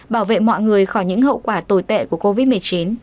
bảo vệ mọi người khỏi những hậu quả tồi tệ của covid một mươi chín